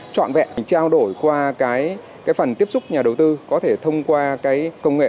chọn vẹn trao đổi qua cái phần tiếp xúc nhà đầu tư có thể thông qua công nghệ